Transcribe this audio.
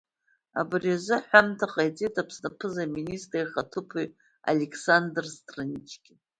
Абри азы аҳәамҭа ҟаиҵеит Аԥсны аԥыза-министр ихаҭыԥуаҩ Александр Страничкин.